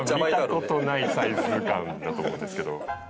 見た事ないサイズ感だと思うんですけど。